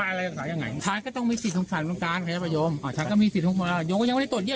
ลองดูหน่อยนะตอนนี้